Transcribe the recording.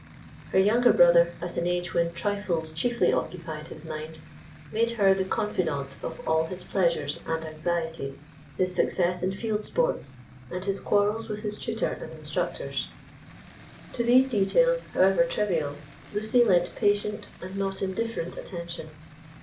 Her younger brother, at an age when trifles chiefly occupied his mind, made her the confidante of all his pleasures and anxieties, his success in field sports, and his quarrels with his tutor and instructors. To these details, however trivial, Lucy lent patient and not indifferent attention.